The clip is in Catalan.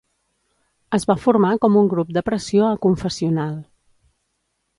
Es va formar com un grup de pressió aconfessional.